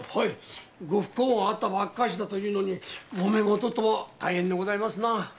ご不幸があったばかりというのにもめ事とは大変でございますな。